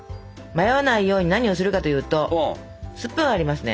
迷わないように何をするかというとスプーンありますね？